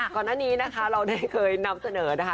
ก่อนหน้านี้นะคะเราได้เคยนำเสนอนะคะ